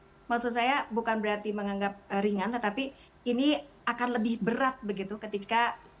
ketika kang emil ingin lebih maksud saya bukan berarti menganggap ringan tetapi ini akan lebih berat begitu ketika